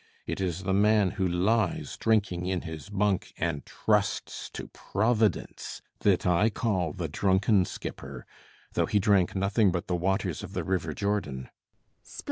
It is the man who lies drinking in his bunk and trusts to Providence that I call the drunken skipper, though he drank nothing but the waters of the River Jordan.